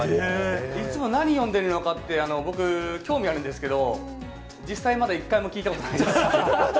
いつも何読んでるのかって、僕、興味あるんですけど、実際、まだ一回も聞いたことないです。